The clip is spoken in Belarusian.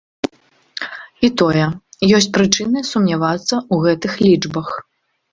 І тое, ёсць прычыны сумнявацца ў гэтых лічбах.